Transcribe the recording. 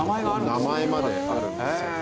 名前まであるんですよ。